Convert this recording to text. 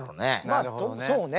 まあそうね。